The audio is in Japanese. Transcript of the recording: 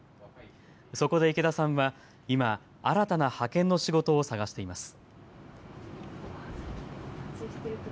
そこで池田さんは今、新たな派遣の仕事を探しています。